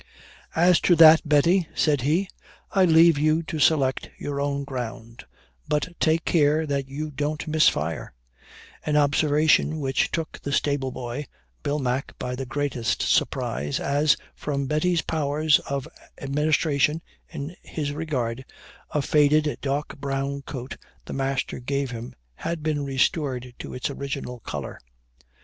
"As to that, Betty," said he, "I leave you to select your own ground; but take care that you don't miss fire" an observation which took the stable boy, Bill Mack, by the greatest surprise, as, from Betty's powers of administration in his regard, a faded dark brown coat the master gave him had been restored to its original color.